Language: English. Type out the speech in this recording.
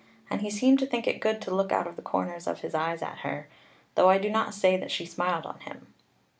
And he seemed to think it good to look out of the corners of his eyes at her; though I do not say that she smiled on him."